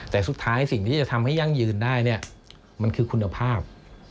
แต่สุดท้ายสิ่งที่จะทำให้ยั่งยืนได้เนี่ยมันคือคุณภาพ